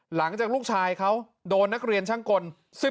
หลังจากลูกชายเขาโดนนักเรียนช่างกล